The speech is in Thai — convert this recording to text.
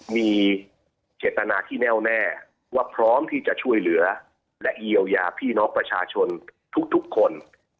มีเจตนาที่แน่วแน่ว่าพร้อมที่จะช่วยเหลือและเยียวยาพี่น้องประชาชนทุกคน